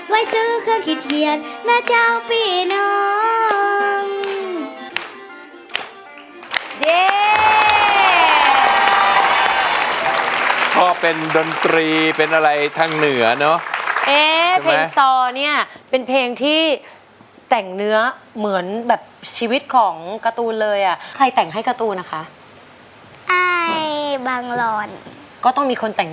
ไว้ซื้อเครื่องขิดเขียนมาเจ้าพี่น้อง